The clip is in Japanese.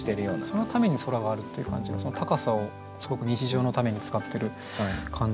そのために空があるっていう感じが高さをすごく日常のために使ってる感じがいいなと思いました。